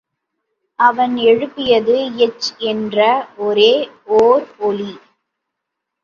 அவன் எழுப்பியது இச் என்ற ஒரே ஓர் ஒலி.